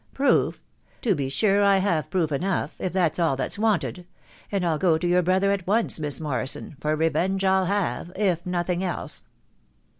" Proof? .... To be sure I have proof enough, if tksti all that's wanted ; and I'll go to your brother at once, Mk Morrison, for revenge 111 have .... if nothing else.'